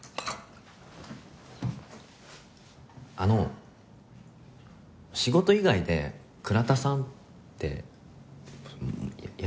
あの仕事以外で「倉田さん」ってやめません？